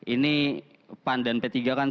ini pan dan p tiga kan